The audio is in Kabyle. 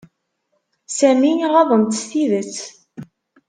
Sami ɣaḍen-t s tidet.